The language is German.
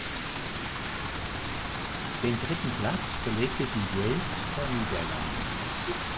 Den dritten Platz belegte die Wales vor Niederlande.